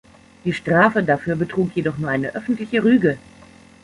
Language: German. Die Strafe dafür betrug jedoch nur eine öffentliche Rüge.